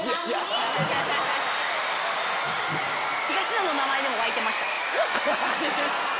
東野の名前でも沸いてました。